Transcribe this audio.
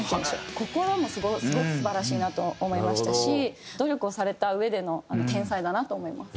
心もすごく素晴らしいなと思いましたし努力をされたうえでの天才だなと思います。